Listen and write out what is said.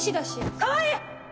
川合！